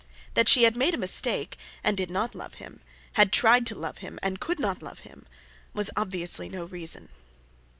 That she had made a mistake, and did not love him, had tried to love him and could not love him, was obviously no reason.